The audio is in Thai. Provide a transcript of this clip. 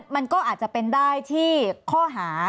มันก็อาจจะเป็นได้ที่ข้อหา